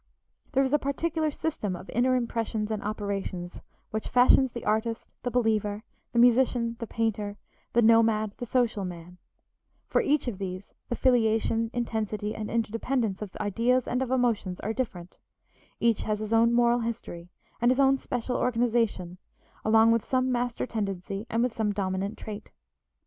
There is a particular system of inner impressions and operations which fashions the artist, the believer, the musician, the painter, the nomad, the social man; for each of these, the filiation, intensity, and interdependence of ideas and of emotions are different; each has his own moral history, and his own special organization, along with some master tendency and with some dominant trait.